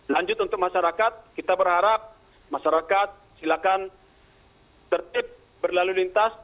lanjut untuk masyarakat kita berharap masyarakat silakan tertib berlalu lintas